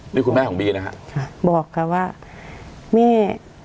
นี่คุณแม่ของบีนะฮะค่ะบอกค่ะว่าแม่